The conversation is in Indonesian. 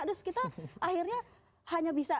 terus kita akhirnya hanya bisa